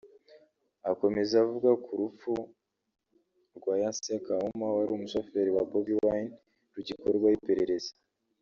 Akomeza avuga ko urupfu rwa Yasin Kawuma wari umushoferi wa Bobi Wine rugikorwaho iperereza